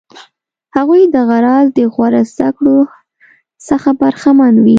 هغوی دغه راز د غوره زده کړو څخه برخمن وي.